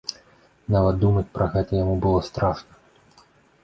Нават думаць пра гэта яму было страшна.